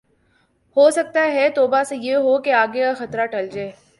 ہوسکتا ہے توبہ سے یہ ہو کہ آگے کا خطرہ ٹل جاۓ